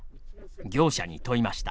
業者に問いました。